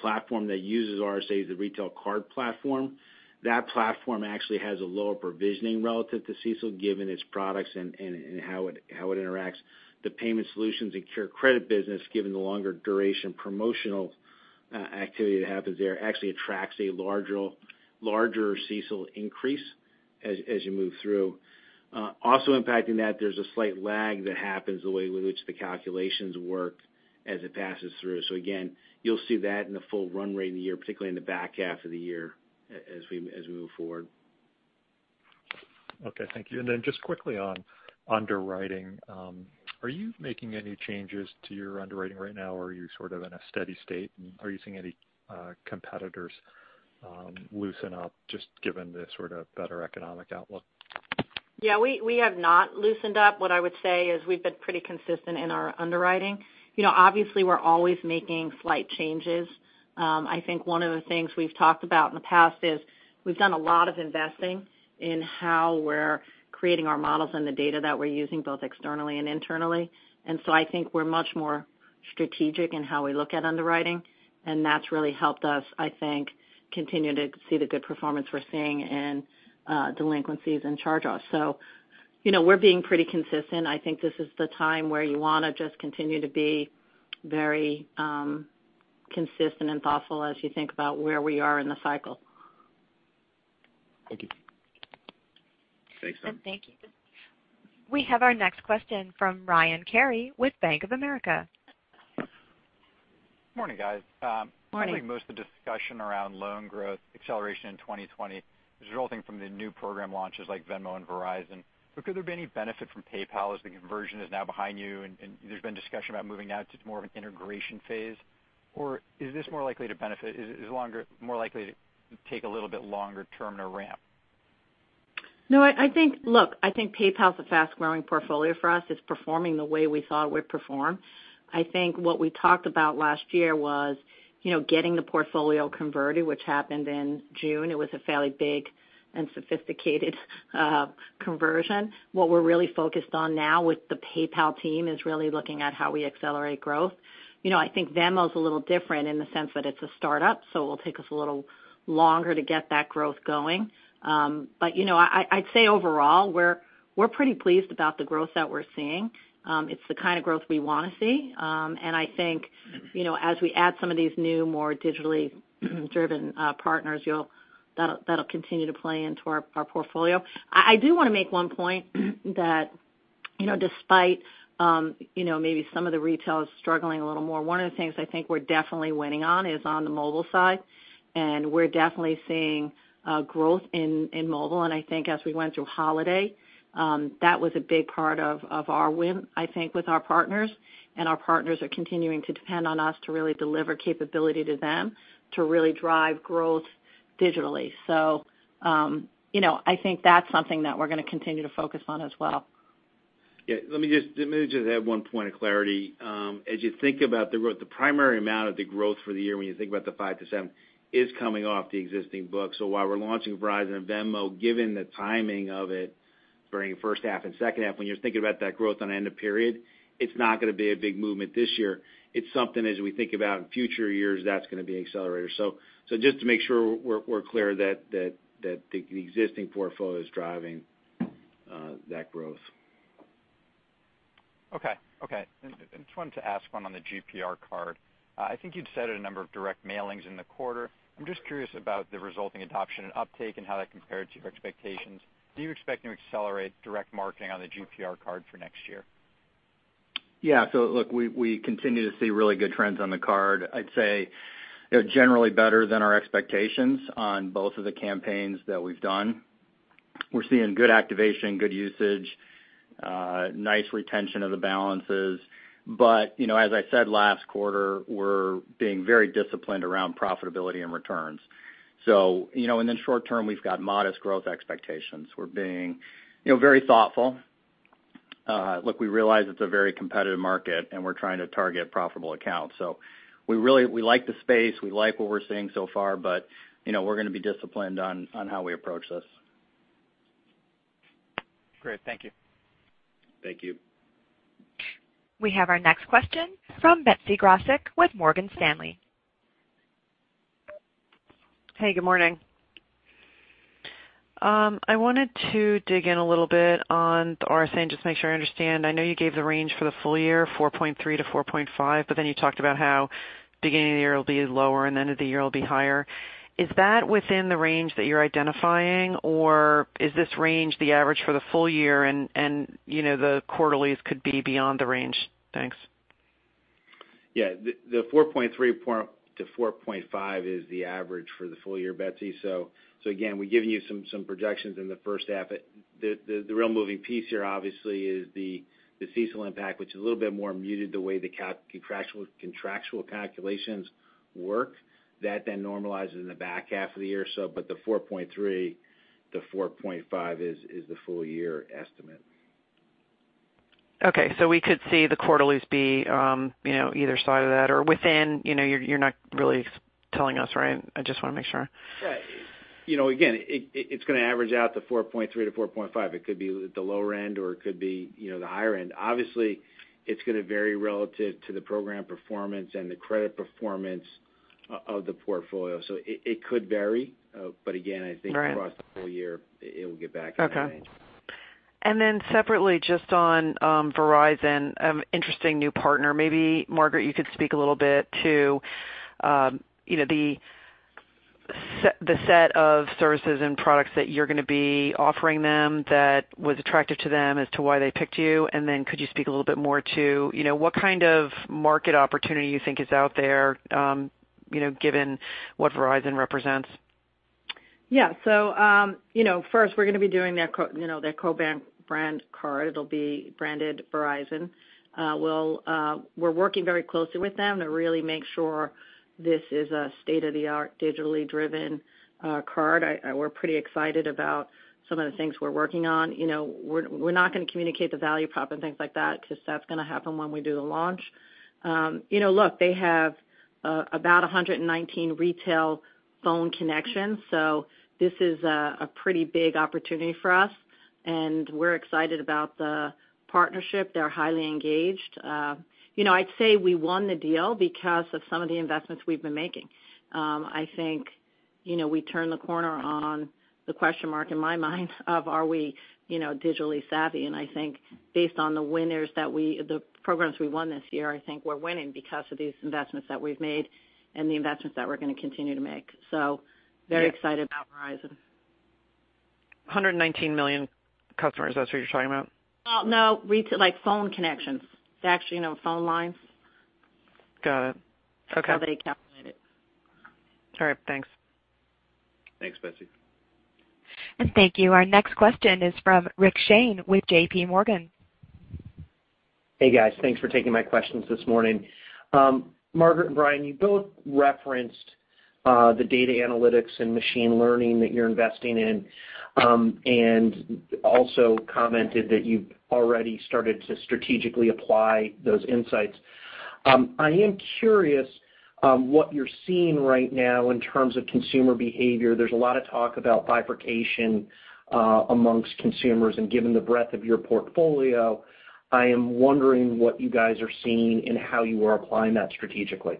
platform that uses RSA is the Retail Card platform. That platform actually has a lower provisioning relative to CECL given its products and how it interacts. The Payment Solutions and CareCredit business, given the longer duration promotional activity that happens there actually attracts a larger CECL increase as you move through. Also impacting that there's a slight lag that happens the way with which the calculations work as it passes through. Again, you'll see that in the full run rate of the year, particularly in the back half of the year as we move forward. Okay, thank you. Just quickly on underwriting. Are you making any changes to your underwriting right now, or are you sort of in a steady state? Are you seeing any competitors loosen up just given the sort of better economic outlook? Yeah, we have not loosened up. What I would say is we've been pretty consistent in our underwriting. Obviously, we're always making slight changes. I think one of the things we've talked about in the past is we've done a lot of investing in how we're creating our models and the data that we're using both externally and internally. I think we're much more strategic in how we look at underwriting, and that's really helped us, I think, continue to see the good performance we're seeing in delinquencies and charge-offs. We're being pretty consistent. I think this is the time where you want to just continue to be very consistent and thoughtful as you think about where we are in the cycle. Thank you. Thanks. Thank you. We have our next question from Ryan Cary with Bank of America. Morning, guys. Morning. I think most of the discussion around loan growth acceleration in 2020 is resulting from the new program launches like Venmo and Verizon. Could there be any benefit from PayPal as the conversion is now behind you and there's been discussion about moving now to more of an integration phase? Is this more likely to take a little bit longer term to ramp? I think PayPal's a fast-growing portfolio for us. It's performing the way we thought it would perform. I think what we talked about last year was getting the portfolio converted, which happened in June. It was a fairly big and sophisticated conversion. What we're really focused on now with the PayPal team is really looking at how we accelerate growth. I think Venmo's a little different in the sense that it's a startup, so it'll take us a little longer to get that growth going. I'd say overall, we're pretty pleased about the growth that we're seeing. It's the kind of growth we want to see. I think as we add some of these new, more digitally driven partners, that'll continue to play into our portfolio. I do want to make one point that despite maybe some of the retail is struggling a little more, one of the things I think we're definitely winning on is on the mobile side, and we're definitely seeing growth in mobile. I think as we went through holiday, that was a big part of our win, I think, with our partners. Our partners are continuing to depend on us to really deliver capability to them to really drive growth digitally. I think that's something that we're going to continue to focus on as well. Yeah, let me just add one point of clarity. As you think about the growth, the primary amount of the growth for the year when you think about the five to seven, is coming off the existing book. While we're launching Verizon and Venmo, given the timing of it during first half and second half, when you're thinking about that growth on end of period, it's not going to be a big movement this year. It's something as we think about in future years, that's going to be an accelerator. Just to make sure we're clear that the existing portfolio is driving that growth. Okay. Just wanted to ask one on the GPR card. I think you'd said a number of direct mailings in the quarter. I'm just curious about the resulting adoption and uptake and how that compared to your expectations. Do you expect to accelerate direct marketing on the GPR card for next year? Yeah. Look, we continue to see really good trends on the card. I'd say they're generally better than our expectations on both of the campaigns that we've done. We're seeing good activation, good usage, nice retention of the balances. As I said last quarter, we're being very disciplined around profitability and returns. In the short term, we've got modest growth expectations. We're being very thoughtful. Look, we realize it's a very competitive market, and we're trying to target profitable accounts. We like the space. We like what we're seeing so far, but we're going to be disciplined on how we approach this. Great. Thank you. Thank you. We have our next question from Betsy Graseck with Morgan Stanley. Hey, good morning. I wanted to dig in a little bit on the RSA and just make sure I understand. I know you gave the range for the full year, 4.3%-4.5%, but then you talked about how beginning of the year will be lower and the end of the year will be higher. Is that within the range that you're identifying, or is this range the average for the full year, and the quarterlies could be beyond the range? Thanks. The 4.3%-4.5% is the average for the full year, Betsy. Again, we've given you some projections in the first half. The real moving piece here, obviously, is the seasonal impact, which is a little bit more muted the way the contractual calculations work. That normalizes in the back half of the year or so. The 4.3%-4.5% is the full year estimate. Okay, we could see the quarterlies be either side of that or within. You're not really telling us, right? I just want to make sure. Again, it's going to average out to 4.3%-4.5%. It could be at the lower end, or it could be the higher end. Obviously, it's going to vary relative to the program performance and the credit performance of the portfolio. It could vary. Again, I think across the full year, it will get back in range. Okay. Separately, just on Verizon, interesting new partner. Maybe, Margaret, you could speak a little bit to the set of services and products that you're going to be offering them that was attractive to them as to why they picked you. Could you speak a little bit more to what kind of market opportunity you think is out there given what Verizon represents? Yeah. First, we're going to be doing their co-brand card. It'll be branded Verizon. We're working very closely with them to really make sure this is a state-of-the-art, digitally driven card. We're pretty excited about some of the things we're working on. We're not going to communicate the value prop and things like that because that's going to happen when we do the launch. Look, they have about 119 retail phone connections, so this is a pretty big opportunity for us, and we're excited about the partnership. They're highly engaged. I'd say we won the deal because of some of the investments we've been making. I think we turned the corner on the question mark in my mind of are we digitally savvy. I think based on the winners that the programs we won this year, I think we're winning because of these investments that we've made and the investments that we're going to continue to make. Very excited about Verizon. 119 million customers, that's what you're talking about? No, like phone connections. It's actually phone lines. Got it. Okay. Somebody calculated. All right. Thanks. Thanks, Betsy. Thank you. Our next question is from Rick Shane with JPMorgan. Hey, guys. Thanks for taking my questions this morning. Margaret and Brian, you both referenced the data analytics and machine learning that you're investing in and also commented that you've already started to strategically apply those insights. I am curious what you're seeing right now in terms of consumer behavior. There's a lot of talk about bifurcation amongst consumers, and given the breadth of your portfolio, I am wondering what you guys are seeing and how you are applying that strategically.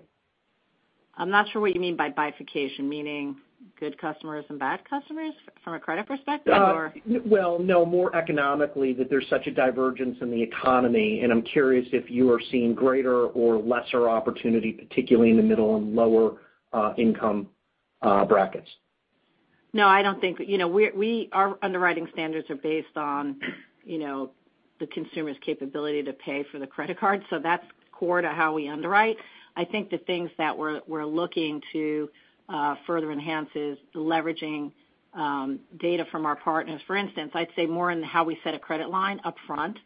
I'm not sure what you mean by bifurcation, meaning good customers and bad customers from a credit perspective, or? Well, no, more economically that there's such a divergence in the economy. I'm curious if you are seeing greater or lesser opportunity, particularly in the middle and lower income brackets. No, I don't think our underwriting standards are based on the consumer's capability to pay for the credit card, so that's core to how we underwrite. I think the things that we're looking to further enhance is leveraging data from our partners. For instance, I'd say more in how we set a credit line upfront.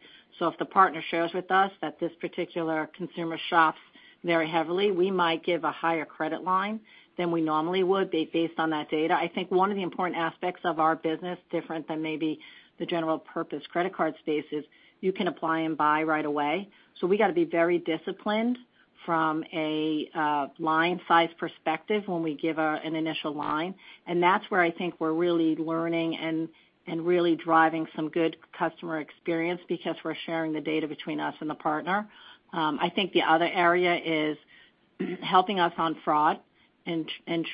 If the partner shares with us that this particular consumer shops very heavily, we might give a higher credit line than we normally would based on that data. I think one of the important aspects of our business, different than maybe the general purpose credit card space, is you can apply and buy right away. We got to be very disciplined from a line size perspective when we give an initial line. That's where I think we're really learning and really driving some good customer experience because we're sharing the data between us and the partner. I think the other area is helping us on fraud.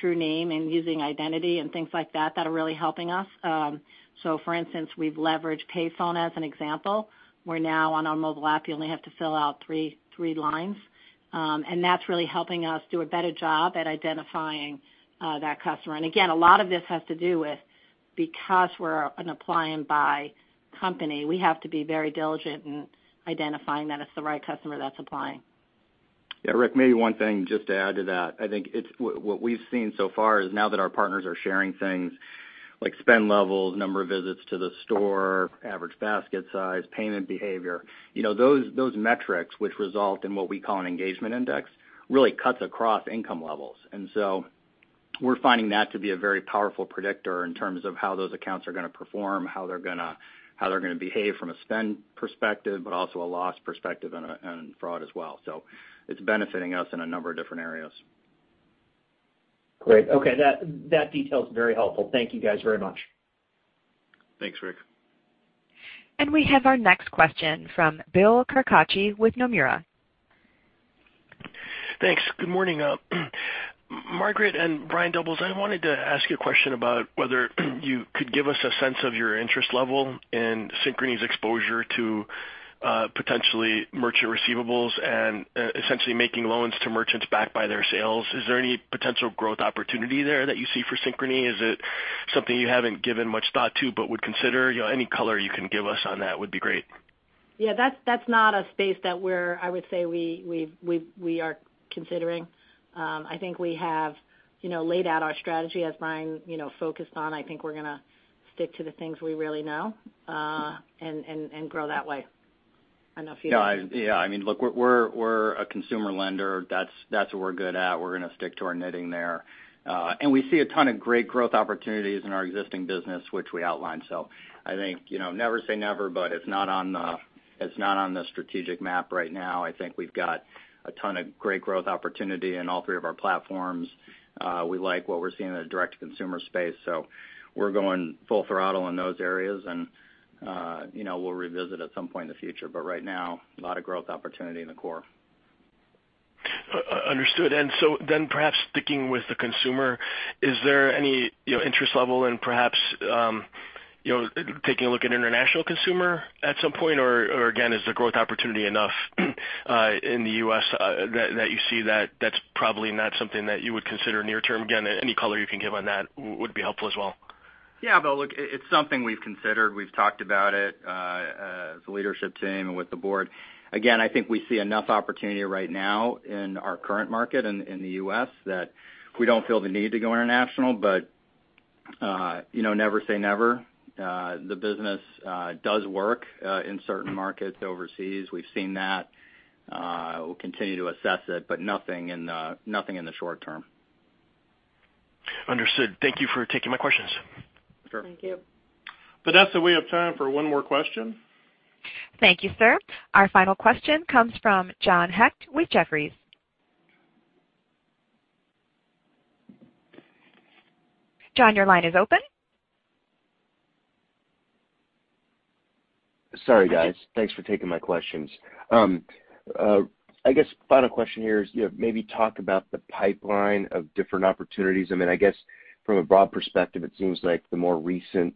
True name and using identity and things like that are really helping us. For instance, we've leveraged Payfone as an example, where now on our mobile app, you only have to fill out three lines. That's really helping us do a better job at identifying that customer. Again, a lot of this has to do with, because we're an apply-and-buy company, we have to be very diligent in identifying that it's the right customer that's applying. Yeah, Rick, maybe one thing just to add to that. I think what we've seen so far is now that our partners are sharing things like spend levels, number of visits to the store, average basket size, payment behavior. Those metrics, which result in what we call an engagement index, really cuts across income levels. We're finding that to be a very powerful predictor in terms of how those accounts are going to perform, how they're going to behave from a spend perspective, but also a loss perspective and fraud as well. It's benefiting us in a number of different areas. Great. Okay. That detail is very helpful. Thank you guys very much. Thanks, Rick. We have our next question from Bill Carcache with Nomura. Thanks. Good morning. Margaret and Brian Doubles, I wanted to ask you a question about whether you could give us a sense of your interest level in Synchrony's exposure to potentially merchant receivables and essentially making loans to merchants backed by their sales. Is there any potential growth opportunity there that you see for Synchrony? Is it something you haven't given much thought to but would consider? Any color you can give us on that would be great. Yeah, that's not a space that I would say we are considering. I think we have laid out our strategy as Brian focused on. I think we're going to stick to the things we really know and grow that way. I don't know if you. I mean, look, we're a consumer lender. That's what we're good at. We're going to stick to our knitting there. We see a ton of great growth opportunities in our existing business, which we outlined. I think never say never, but it's not on the strategic map right now. I think we've got a ton of great growth opportunity in all three of our platforms. We like what we're seeing in the direct-to-consumer space, so we're going full throttle in those areas, and we'll revisit at some point in the future. Right now, a lot of growth opportunity in the core. Understood. Perhaps sticking with the consumer, is there any interest level in perhaps taking a look at international consumer at some point? Again, is the growth opportunity enough in the U.S. that you see that that's probably not something that you would consider near term? Again, any color you can give on that would be helpful as well. Yeah, Bill, look, it's something we've considered. We've talked about it as a leadership team and with the board. Again, I think we see enough opportunity right now in our current market in the U.S. that we don't feel the need to go international, but never say never. The business does work in certain markets overseas. We've seen that. We'll continue to assess it, but nothing in the short term. Understood. Thank you for taking my questions. Sure. Thank you. Vanessa, we have time for one more question. Thank you, sir. Our final question comes from John Hecht with Jefferies. John, your line is open. Sorry, guys. Thanks for taking my questions. I guess final question here is maybe talk about the pipeline of different opportunities. I mean, I guess from a broad perspective, it seems like the more recent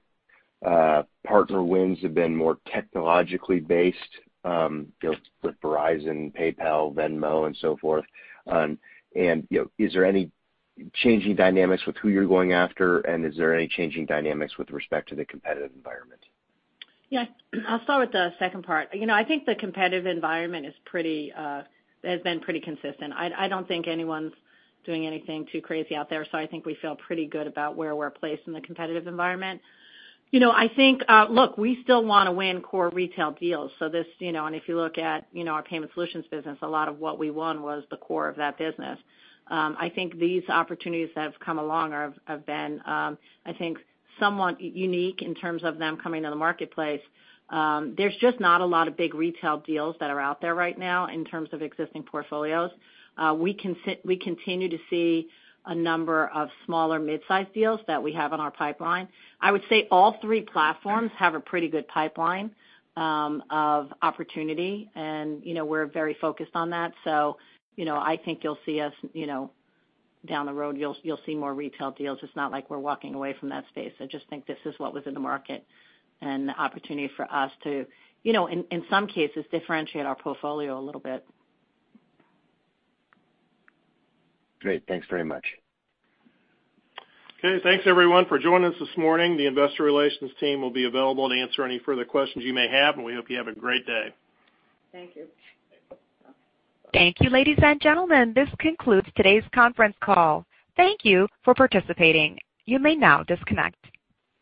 partner wins have been more technologically based, with Verizon, PayPal, Venmo, and so forth. Is there any changing dynamics with who you're going after, and is there any changing dynamics with respect to the competitive environment? Yeah. I'll start with the second part. I think the competitive environment has been pretty consistent. I don't think anyone's doing anything too crazy out there. I think we feel pretty good about where we're placed in the competitive environment. I think, look, we still want to win core retail deals. If you look at our Payment Solutions business, a lot of what we won was the core of that business. I think these opportunities that have come along have been, I think, somewhat unique in terms of them coming to the marketplace. There's just not a lot of big retail deals that are out there right now in terms of existing portfolios. We continue to see a number of smaller mid-size deals that we have in our pipeline. I would say all three platforms have a pretty good pipeline of opportunity, and we're very focused on that. I think you'll see us down the road. You'll see more retail deals. It's not like we're walking away from that space. I just think this is what was in the market and the opportunity for us to, in some cases, differentiate our portfolio a little bit. Great. Thanks very much. Okay, thanks everyone for joining us this morning. The investor relations team will be available to answer any further questions you may have, and we hope you have a great day. Thank you. Thank you, ladies and gentlemen. This concludes today's conference call. Thank you for participating. You may now disconnect.